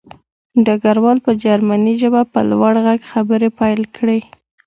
ډګروال په جرمني ژبه په لوړ غږ خبرې پیل کړې